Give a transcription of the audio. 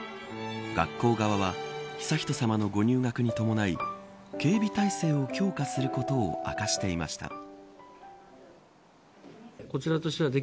学校側は悠仁さまのご入学に伴い警備態勢を強化することを明かしていました。